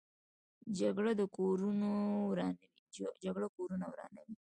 جګړه کورونه ورانوي